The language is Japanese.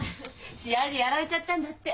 試合でやられちゃったんだって。